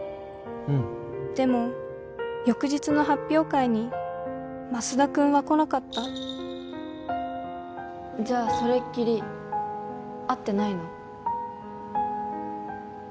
うんでも翌日の発表会に増田君は来なかったじゃあそれっきり会ってないの？